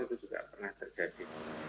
itu juga pernah terjadi